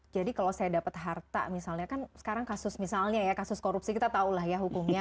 jadi kalau saya dapat harta misalnya kan sekarang kasus misalnya ya kasus korupsi kita tahu lah ya hukumnya